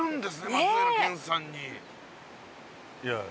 松平健さんに。